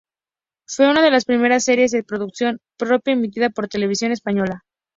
Fue una de las primeras series de producción propia emitida por Televisión española.